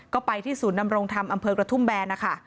ก็ไปที่ศูนย์นำรงธรรมอำเภอกระทุ่มแบนนะคะ